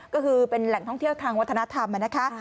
ก็คือเป็นแหล่งท่องเที่ยวทางวัฒนธรรมนะคะ